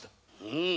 うん？